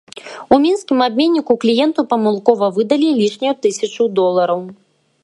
У мінскім абменніку кліенту памылкова выдалі лішнюю тысячу долараў.